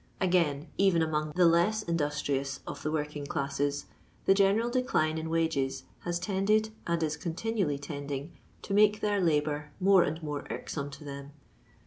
Again, even among the less industrioua of the working classes, the general decline in wages has tended, and is continually tending, to make their labour more and more irksome to them.